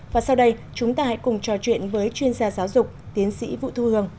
và sau đây chúng ta hãy cùng trò chuyện với chuyên gia giáo dục tiến sĩ vũ thu hường